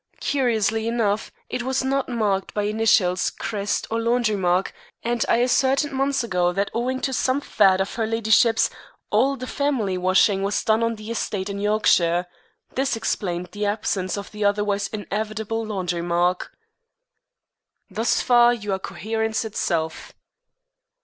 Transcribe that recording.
Curiously enough, it was not marked by initials, crest, or laundry mark, and I ascertained months ago that owing to some fad of her ladyship's, all the family washing was done on the estate in Yorkshire. This explained the absence of the otherwise inevitable laundry mark." "Thus far you are coherence itself."